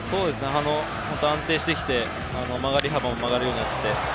安定してきて曲がり幅も曲がるようになってきて。